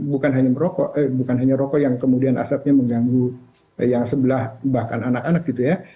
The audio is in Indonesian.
bukan hanya merokok eh bukan hanya rokok yang kemudian asapnya mengganggu yang sebelah bahkan anak anak gitu ya